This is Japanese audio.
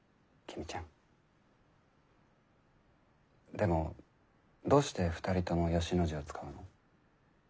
でもどうして２人とも義の字を使うの？